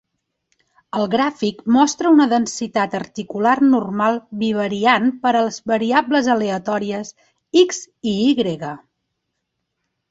El gràfic mostra una densitat articular normal bivariant per a les variables aleatòries "X" i "Y".